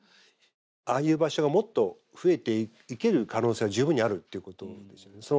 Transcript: ああいう場所がもっと増えていける可能性は十分にあるっていうことなんでしょうね。